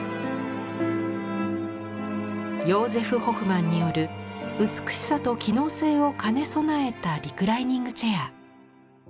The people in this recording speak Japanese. ヨーゼフ・ホフマンによる美しさと機能性を兼ね備えたリクライニングチェア。